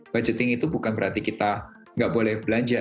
budgeting itu bukan berarti kita nggak boleh belanja